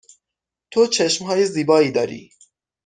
تو چشم های زیبایی داری.